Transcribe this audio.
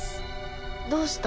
どうした？